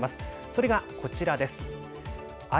それがこちらです。